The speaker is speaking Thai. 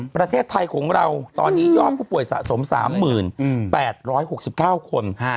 ประเทศไทยของเราตอนนี้ยอดผู้ป่วยสะสม๓๘๖๙คน